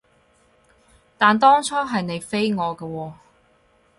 但當初係你飛我㗎喎